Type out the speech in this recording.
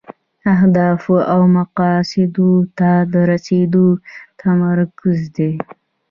اهدافو او مقاصدو ته د رسیدو تمرکز دی.